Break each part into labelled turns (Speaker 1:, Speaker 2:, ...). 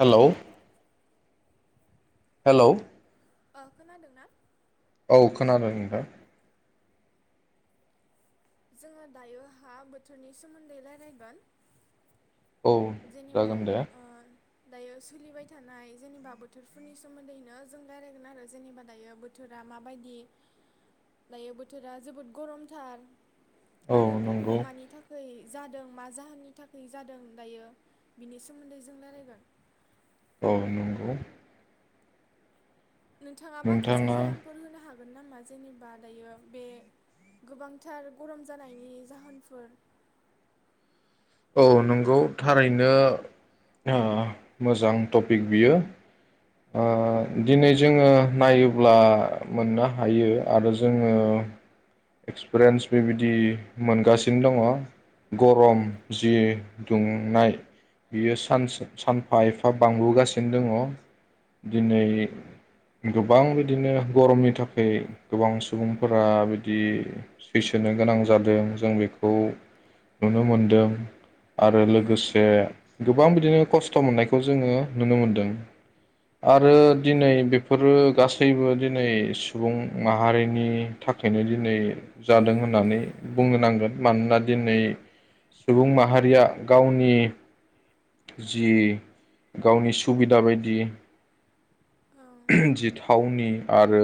Speaker 1: Hello hello
Speaker 2: अ खोनादों ना?
Speaker 1: औ खोनादों नोंथां।
Speaker 2: जोङो दायो हा बोथोरनि सोमोन्दै रायलायगोन।
Speaker 1: औ
Speaker 2: जेनेबा
Speaker 1: जागोन दे
Speaker 2: ओ दायो सोलिबाय थानाय जेनेबा बोथोरफोरनि सोमोन्दैनो जों रायलायगोन आरो जेनेबा दायो बोथोरा माबायदि दायो बोथोरा जोबोद गरमथार
Speaker 1: औ
Speaker 2: आरो
Speaker 1: नंगौ
Speaker 2: बेफोरो मानि थाखै जादों मा जाहोननि थाखाय जादों दायो बिनि सोमोन्दै जों रायलायगोन।
Speaker 1: औ नंगौ।
Speaker 2: नोंथाङा माखासे जाहोनफोर होनो हाग गोन नामा जेनेबा दायो बे गोबांथार गरम जानायनि जाहोनफोर
Speaker 1: औ नोंगौ थारैनो ओ मोजां टपिक बियो ओ दिनै जोङो नायोब्ला मोननो हायो आरो जोङो एक्सपिरियेन्स बेबायदि मोनगासिनो दङ।
Speaker 2: उम
Speaker 1: गरम जि दुंनाय बियो सान सानफा एफा बांबोगासिनो दङ। दिनै गोबां बिदिनो गरमनि थाखाय गोबां सुबुंफोरा बिदि सैसोनो गोनां जादों जों बेखौ नुनो मोनदों आरो
Speaker 2: ओ
Speaker 1: लोगोसे गोबां बिदिनो खस्थ' मोननायखौ जोङो नुनो मोनदों। आरो दिनै बेफोरो गासैबो दिनै सुबुं माहारिनि थाखायनो दिनै जादों होननानै बुंनो नांगोन मानोना दिनै सुबुं माहारिया गावनि जि गावनि सुबिदा बायदि
Speaker 2: ओ
Speaker 1: जि थावनि आरो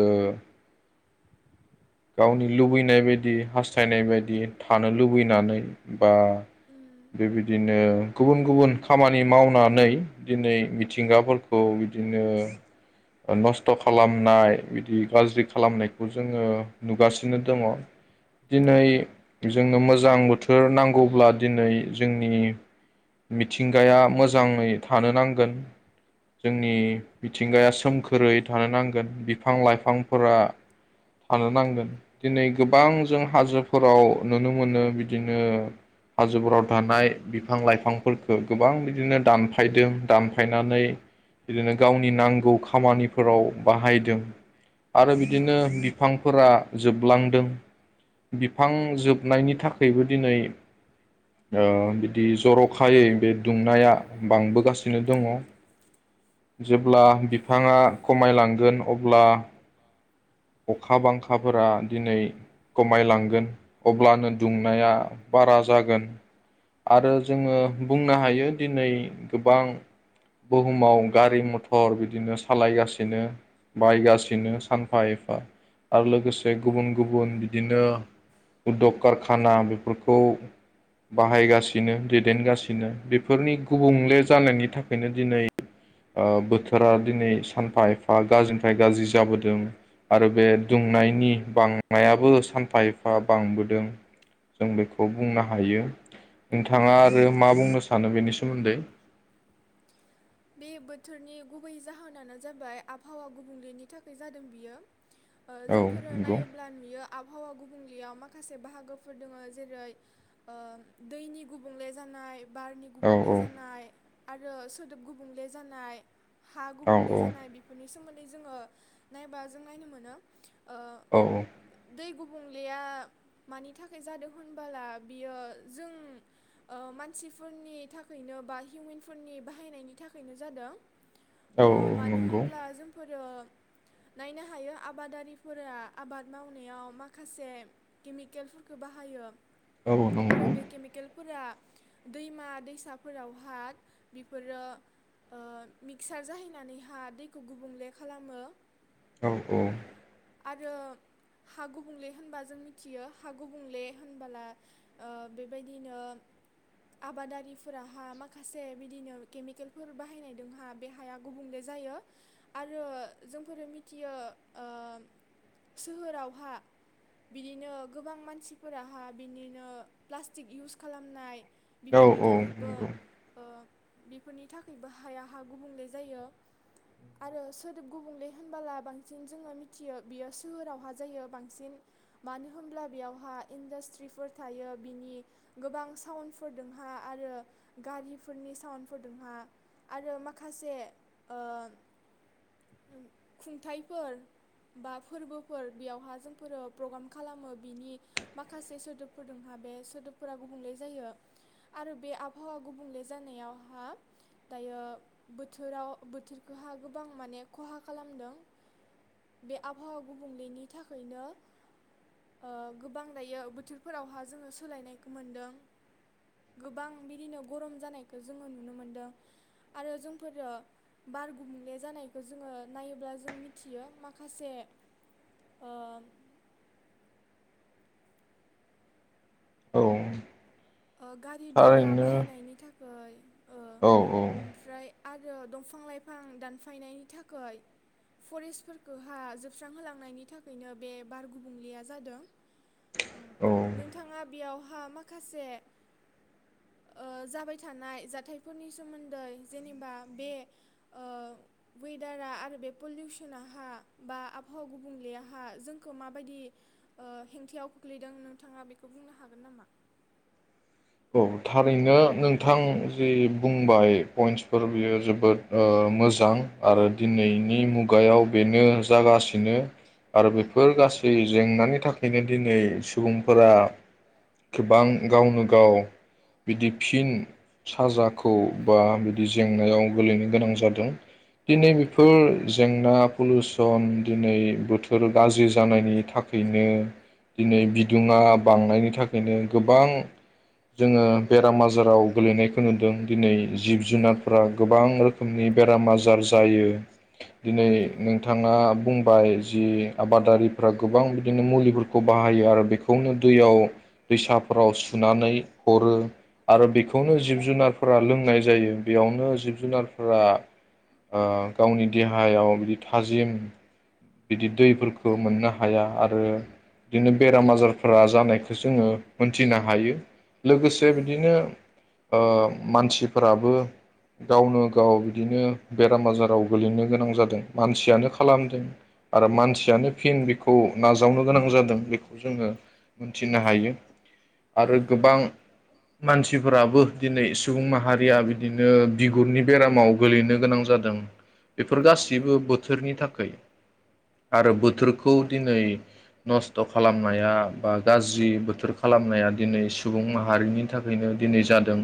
Speaker 1: गावनि लुबैनाय बायदि हास्थायनाय बायदि थानो लुबैनानै बा
Speaker 2: उम
Speaker 1: बेबायदिनो गुबुन गुबुन खामानि मावनानै दिनै मिथिंगाफोरखौ बिदिनो नस्थ' खालामनाय बिदि गाज्रि खालामनायखौ जोङो नुगासिनो दङ। दिनै
Speaker 2: ओ
Speaker 1: जोङो मोज गोजां बोथोर नांगौब्ला दिनै जोंनि मिथिंगाया मोजाङै थानो नांगोन।
Speaker 2: औ
Speaker 1: जोंनि मिथिंगायास सोमखोरै थानो नांगोन बिफां लाइफांफोरा थानो नां गोन दिनै गोबां जों हाजोफोराव नुनो मोनो बिदिनो हाजोफोराव थानाय बिफां लाइफांफोरखौ गोबां बिदिनो दानफायदों दानफायनानै बिदिनो गावनि नांगौ खामानिफोराव बाहायदों। आरो
Speaker 2: औ
Speaker 1: बिदिनो बिफांफोरा जोबलांदों बिफां जोबनायनि थाखायबो दिनै ओ बिदि जर'खायै बे दुंनाया बांबोगासिनो दङ जेब्ला बिफाङा खमायलांगोन अब्ला अखा बांखाफोरा दिनै खमायलांगोन अब्लानो दुंनाया बारा जागोन आरो जोङो बुंनो हायो दिनै गोबां बुहुमाव गारि मथर बिदिनो सालायगासिनो बायगासिनो सानफा एफ फा आं आरो लोगोस एसे
Speaker 2: औ
Speaker 1: गुबुन गुबुन बिदिनो उद्द'ग कारखाना बेफोरखौ बाहायगासिनो दैदेनगासिनो बेफोरनि गुबुंले जानायनि थाखायनो दिनै ओ बोथोरा दिनै सानफा एफा गाज्रिनिफ्राय गाज्रि जाबोदों। आरो बे दुंनायनि बांनायाबो सानफा एफा बांबोदों जों बेखौ बुंनो हायो। नोंथाङा आरो मा बुंनो सानो बेनि सोमोन्दै?
Speaker 2: बे बोथोरनि गुबै जाहोनानो जाबाय आबहावा गुबुंलेनि थाखाय जादों बियो। ओ
Speaker 1: औ
Speaker 2: जोंफोरो
Speaker 1: नंगौ
Speaker 2: नायोब्ला नुयो आबहावा गुबुं गुबुंलेयाव माखासे बाहागोफोर दङ जेरै ओ दैनि गुबुंले जानाय। बारनि
Speaker 1: औ
Speaker 2: गुबुंले जानाय आरो सोदोब गुबुं गुबुंले जानाय। हा
Speaker 1: औ
Speaker 2: गुबुंले जानाय बेफोरनि सोमोन दै जोङो नायबा जों नायनो मोनो ओ
Speaker 1: औ औ
Speaker 2: दै गुबुंलेया मानि थाखाय जादों होनबोला बियो जों ओ मानसिफोरनि थाखायनो बा हिउमेनफोरनि बाहायनायनि थाखाय नो जादों। ओ
Speaker 1: औ
Speaker 2: मानो
Speaker 1: नंगौ
Speaker 2: होमब्ला जोंफोर आरो नायनो हायो आबादारिफोरा आबाद मावनायाव माखासे केमिकेलफोरखौ बाहायो।
Speaker 1: औ
Speaker 2: आरो
Speaker 1: नंगौ
Speaker 2: बे केमेकेल फोरा दैमा दैसाफोराव हा बेफोरो ओ मिक्सार जाहैनानैहा दैखौ गुबुंले खालामो।
Speaker 1: औ औ
Speaker 2: आरो हा गुबुंले होनबा जों मिथियो हा गुबुंले होनबोला ओ बेबायदिनो आबादारिफोराहा माखासे बिदिनो केमिकेल फोर बाहायनायदोंहा बे हाया गुबुंले जायो आरो जोंफोरो मिथियो ओ सोहोरावहा बिदिनो गोबां मानसिफोराहा बिदिनो प्लास्टिक इउस खालामनाय
Speaker 1: औ
Speaker 2: बिफोरनि
Speaker 1: औ
Speaker 2: थाखायबो
Speaker 1: नंगौ
Speaker 2: ओ बेफोरनि नि थाखायबो हाया हा गुबुंले जायो आरो सोदोब गुबुंले होनबोला बांसिन जोङो मिथियो बियो सोहोरावहा जायो बांसिन मानो होनब्ला बेयावहा इन्डास्ट्रिफोर थायो बिनि गोबां साउन्डफोरदोंहा आरो गारिफोरनि साउन्डफोरदोंहा आरो माखासे ओ खुंथाइफोर बा फोरबोफोर बेयावहा जोंफोरो प्रग्राम खालामो बिनि माखासे सोदोबफोरजोंहा बे सोदोबफोरा गुबुंले जायो आरो बे आबहावा गुबुंले जानायावहा दायो बोथोराव बोथोरखौहा गोबां माने खहा खालामदों बे आबहावा गुबुंलेनि थाखायनो ओ गोबां दायो बोथोरफोरावहा जोङो सोलायनायखौ मोनदों गोबां बिदिनो गरम जानायखौ जोङो नुनो मोनदों आरो जोंफोरो बार गुबुंले जानायखौ जोङो नायोब्ला जों मिथियो माखासे ओ
Speaker 1: औ
Speaker 2: ओ गारि धुरा
Speaker 1: थारैनो
Speaker 2: बाहायनायनि थाखाय ओ
Speaker 1: औ औ
Speaker 2: ओमफ्राय आरो दंफां लाइफां दानफायनायनि थाखाय फरेस्टफोरखौहा जोबस्रांहोलांनायनि थाखायनो बे बार गुबुंलेया जादों उम
Speaker 1: औ
Speaker 2: नोंथाङा बेयाव हा माखासे ओ जाबाय थानाय जाथायफोरनि सोमोन्दै जेनेबा बे ओ वेदारा आरो बे पलिउसनहा बा आबहावा गुबुंलेया हा जोंखौ माबायदि ओ हेंथायाव खोख्लैदों नोंथाङा बेखौ बुंनो हागोन नामा
Speaker 1: औ थारैनो नोंथां जि बुंबाय पइन्टसफोर बेयो जोबोद ओ मोजां आरो दिनैनि मुगायाव बेनो जागासिनो आरो बेफोर गासै जेंनानि थाखायनो दिनै सुबुंफोरा गोबां गावनो गाव बिदि फिन साजाखौ बा बिदि जेंनायाव गोलैनो गोनां जादों दिनै बेफोर जेंना पलिउसन दिनै बोथोर गाज्रि जानायनि थाखायनो दिनै बिदुङा बांनायनि थाखायनो गोबां जोङो बेराम आजाराव गोलैनायखौ नुदों दिनै जिब जुनारफोरा गोबां रोखोमनि बेराम आजार जायो दिनै नोंथाङा बुं बाय जि आबादारिफ्रा गोबां बिदिनो मुलिफोरखौ बाहायो आरो बेखौनो दैयाव दैसाफोराव सुनानै हरो आरो बेखौनो जिब जुनारफोरा लोंनाय जायो बेयावनो जिब जुनारफोरा गावनि देहायाव बिदि थाजिम बिदि दैफोरखौ मोननो हाया आरो बिदिनो बेराम आजारफोरा जानायखौ बेखौ जोङो मोनथिनो हायो लोगोसे बिदिनो ओ मानसि फोराबो गावनो गाव बिदिनो बेराम आजाराव गोलैनो गोनां जादों मानसियानो खालामदों आरो मानसियानो फिन बेखौ नाजावनो गोनां जादों बेखौ जोङो मोनथिनो हायो आरो गोबां मानसिफोराबो दिनै सुबुं माहारिया बिदिनो बिगुरनि बेरामाव गोलैनो गोनां जादों बेफोर गासिबो बोथोरनि थाखाय आरो बोथोरखौ दिनै नस्थ' खालामनाया बा गाज्रि बोथोर खालामनाया दिनै सुबुं माहारिनि थाखायनो दिनै जादों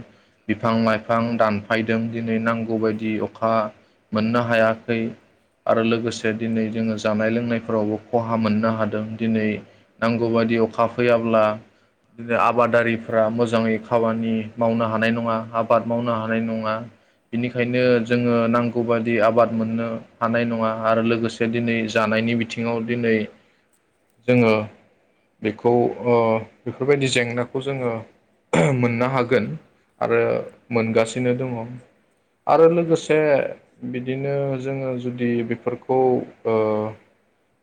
Speaker 1: बिफां लाइफां दानफायदों दिनै नांगौबायायदि अखा मोननो हायाखै आरो लोगोसे दिनै जोङो जानाय लोंनायफोरावबो खहा मोननो हादों दिनै नांगौ बायदि अखा फैयाब्ला आबादारिफोरा्रा मोजाङै खामानि मावनो हानाय नङा आबाद मावनो हानाय नङा बिनिखायनो जोङो नांगौबा आबाद मोननो हानाय नङा आरो लोगोसे दिनै जानायनि बिथिङाव दिनै जोङो बेखौ बेफोरबायदि जेंनाखौ जोङो मोननो हागोन आरो मोनगासिनो दङ। आरो लोगोसे बिदिनो जोङो जुदि बेफोरखौ ओ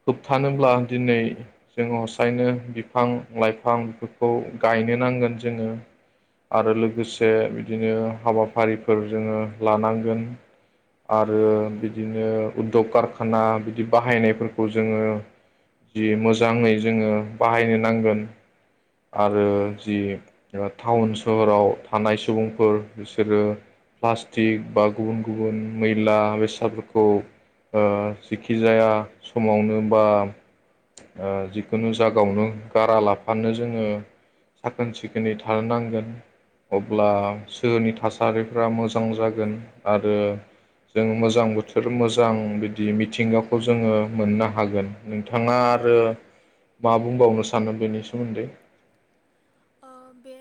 Speaker 1: होबथानोब्ला दिनै जों हसायनो बिफां लाइफां बेफोरखौ गायनो नांगोन जोङो आरो लोगोसे बिदिनो हाबाफारिफोर जोङो लानांगोन आरो बिदिनो उद्दग कारखाना बिदि बाहायनायफोरखौ जोङो जि मोजाङै जोङो बाहायनो नांगोन ‌‌। आरो जि ओ थाउन सहराव थानाय सुबुंफोर बिसोरो प्लास्टिक बा गुबुन गुबुन मैला बेसादफोरखौ ओ जिख ओ ओ जिखि जाया समावनो बा ओ जिखुनु जायगावनो गारा लाफानो जोङो साखोन सिखोनै थानो नांगोन अब्ला सोहरनि थासारिफ्रा मोजां जागोन आरो जों मोजां बोथोर मोजां बिदि मिथिंगाख खौ जोङो मोननो हागोन नोंथाङा आरो मा बुंबावनो सानो बेनि सोमोन्दै?
Speaker 2: ओ बे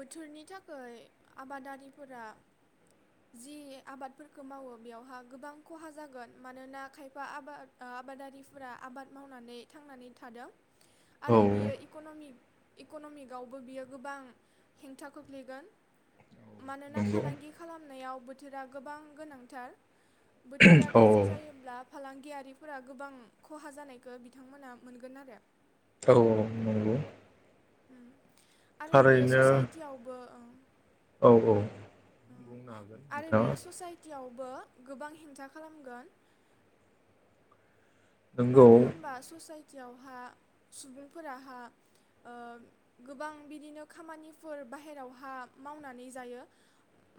Speaker 2: बोथोरनि थाखायै आबादारिफोरा जि आबादफोरखौ मावो बेयावहा गोबां खहा जागोन मानोना खायफा आबाद-आबादारिफोरा आबाद मावनानै थांनानै थादों ‌।
Speaker 1: औ
Speaker 2: आरो बियो इक'न'मिक इक'नमि यावबो बियो गोबां हेंथा खोख्लैगोन। मानोना
Speaker 1: नंगौ
Speaker 2: फालांगि खालामनायाव बोथोरा गोबां गोनांथार। बोथोरा
Speaker 1: औ
Speaker 2: गाज्रि जायोब्ला फालांगियारिफोरा गोबां खहा जानायखो बिथांमोना मोनगोन आरो।
Speaker 1: औ औ नंगौ ‌।
Speaker 2: उ। आरो बियो ससाइटियावबो ओं
Speaker 1: औ औ
Speaker 2: ओ
Speaker 1: बुंनो हागोन
Speaker 2: आरो
Speaker 1: नोंथाङा
Speaker 2: बियो ससाइटियाव बो गोबां हेंथा खालामगोन।
Speaker 1: नंगौ
Speaker 2: मानो होमबा ससाइट थियावहा सुबुंफोराहा ओ गोबां बिदिनो खामानिफोर बाहेरावहा मावनानै जायो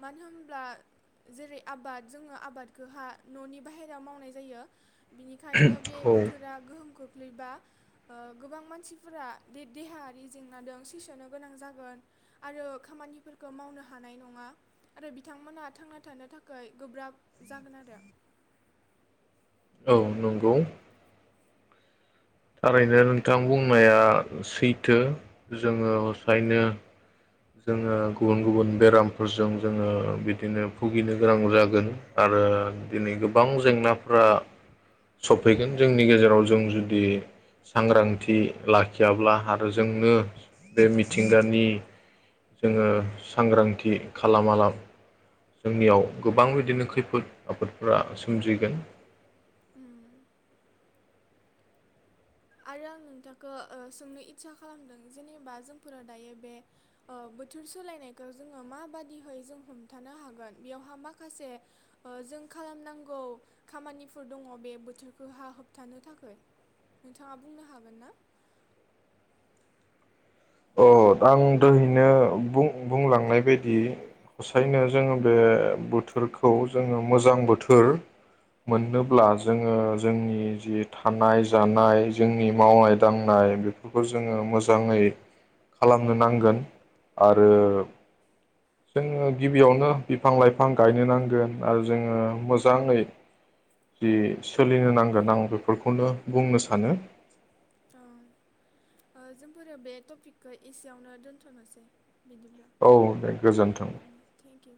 Speaker 2: मानो होमब्ला जेरै आबाद जोङो आबादखोहा न'नि बाहेरायाव मावनाय जायो। बिनिखायनो बे
Speaker 1: औ
Speaker 2: बोथोरा गोह गोम खोख्लैबा ओ गोबां मानसिफोरा दे-देहायारि जेंनादों सैसोनो गोनां जागोन आरो खामानिफोरखौ मावनो हानाय नङा आरो बिथांमोना थांना थानो थाखै गोब्राब जागोन आरो।
Speaker 1: औ नंगौ ‌। थारैनो नोंथां बुंनाया सैथो जोङोसायनो जोङो गुबुन गुबुन बेरामफोरजों जोङो ओ बिदिनो भुगिनो गोनां जागोन आरो दिनै गोबां जेंनाफ्रा सफैगोन जोंनि गेजेराव जों जुदि सांग्रांथि लाखियाब्ला आरो जोंनो बे मिथिंगानि जोङो सांग्रांथि खालामालाब जोंनियाव गोबां बिदिनो खैफोद आफोदफोरा सोमजिगोन।
Speaker 2: उम। आरो आं नोंथांखौ ओ सोंनो इस्सा खालामदों जेनेबा जोंफोरा दायो बे ओ बोथोर सोलायनायखौ जोङो माबादिहै जों हमथानो हागोन बेयावहा माखासे ओ जों खालामनांगौ खामानिफोर दङ बे बोथोरखोहा होबथानो थाखै‌। नोंथाङा बुंनो हागोन ना?
Speaker 1: अ आं दोहैनो बुं-बुंलांनाय बायदि हसायनो जों बे बोथोरखौ जोङो मोजां बोथोर मोननोब्ला जोङो जोंनि जि थानाय जानाय जोंनि मावनाय दांनाय बेफोरखौ जोङो मोजाङै खालामनो नांगोन आरो जोङो गिबियावनो बिफां लाइफां गायनो नांगोन आरो जोङो मोजाङै जि सोलिनो नांगोन आं बेफोरखौनो बुंनो सानो।
Speaker 2: औ ओ जोंफोरो बे टपिकखौ एसेयावनो दोनथ'नोसै। बिदिब्ला
Speaker 1: औ दे गोजोन्थों।
Speaker 2: उ उ थेंक इउ।